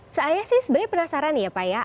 saya sih sebenarnya penasaran ya pak ya